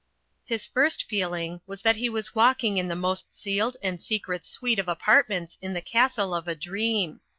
His first feeling was that he was walking in the most sealed and secret suite of apartments in the castle of a dream.